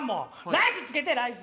ライスつけてライス！